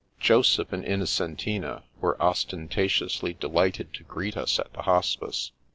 Joseph and Innocentina were ostentatiously de lighted to greet us at the Hospice.